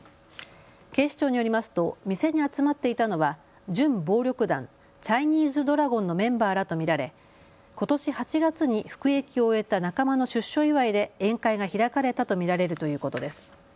警視庁によりますと店に集まっていたのは準暴力団、チャイニーズドラゴンのメンバーらと見られことし８月に服役を終えた仲間の出所祝いで宴会が開かれたと見られるということです。